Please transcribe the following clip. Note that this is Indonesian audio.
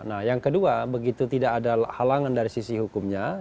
nah yang kedua begitu tidak ada halangan dari sisi hukumnya